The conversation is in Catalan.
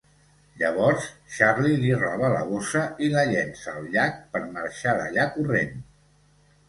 Llavors, Charlie li roba la bossa i la llença al llac per marxar d'allà corrent.